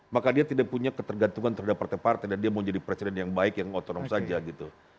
maka dia tidak punya ketergantungan terhadap partai partai dan dia mau jadi presiden yang baik yang otonom saja gitu